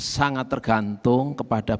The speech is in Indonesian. sangat tergantung kepada